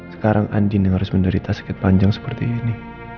sekarang andin yang harus menderita sakit panjang seperti ini